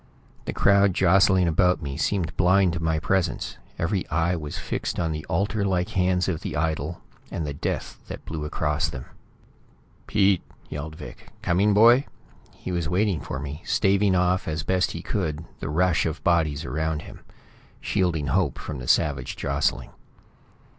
The crowd jostling about me seemed blind to my presence; every eye was fixed on the altar like hands of the idol, and the death that blew across them. "Pete!" yelled Vic. "Coming, boy?" He was waiting for me, staving off as best he could the rush of bodies around him; shielding Hope from the savage jostling.